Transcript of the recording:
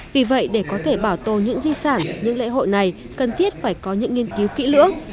vì vậy để có thể bảo tồn những di sản những lễ hội này cần thiết phải có những nghiên cứu kỹ lưỡng